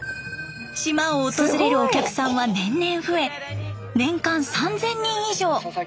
島を訪れるお客さんは年々増え年間３，０００人以上。